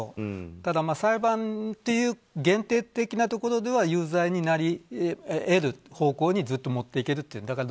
ただ、裁判という限定的なところでは有罪になり得る方向に持っていけるという。